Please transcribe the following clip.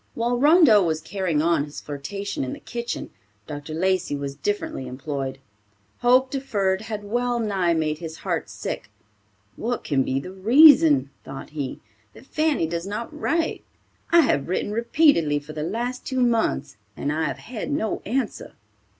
While Rondeau was carrying on his flirtation in the kitchen, Dr. Lacey was differently employed. Hope deferred had well nigh made his heart sick. "What can be the reason," thought he, "that Fanny does not write? I have written repeatedly for the last two months and have had no answer."